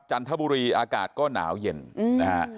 จันทบุรีอากาศก็หนาวเย็นนะฮะ